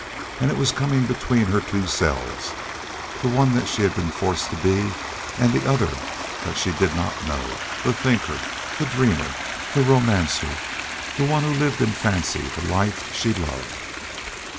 And it was coming between her two selves, the one that she had been forced to be and the other that she did not know the thinker, the dreamer, the romancer, the one who lived in fancy the life she loved.